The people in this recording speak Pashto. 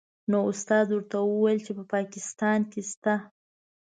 نو استاد ورته وویل چې په پاکستان کې شته دې.